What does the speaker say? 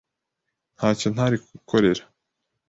Ntacyo ntari gukorera .